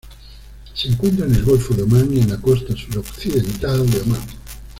Se encuentra en el Golfo de Omán y en la costa suroccidental de Omán.